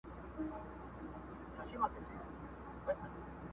چا به ویل چي یوه ورځ به داسي هم ووینو!.